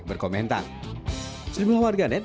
berkomentar sebelumnya warga net